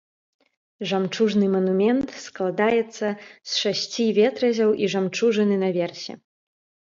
Жамчужны манумент складаецца з шасці ветразяў і жамчужыны наверсе.